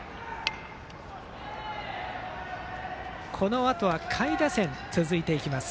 このあとは下位打線に続いていきます。